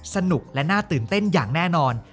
สนุกและน่าตื่นเต้นอย่างแน่นอน